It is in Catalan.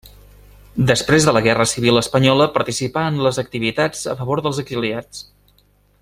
Després de la guerra civil espanyola participà en les activitats a favor dels exiliats.